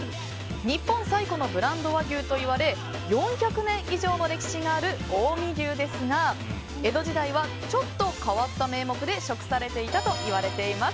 日本最古のブランド和牛といわれ４００年以上の歴史がある近江牛ですが江戸時代はちょっと変わった名目で食されていたといわれています。